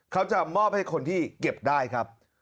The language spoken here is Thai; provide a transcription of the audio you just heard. เขาจะมอบให้คนที่เก็บได้ครับ